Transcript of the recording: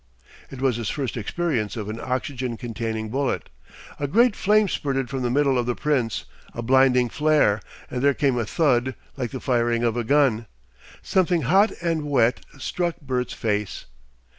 It was his first experience of an oxygen containing bullet. A great flame spurted from the middle of the Prince, a blinding flare, and there came a thud like the firing of a gun. Something hot and wet struck Bert's face.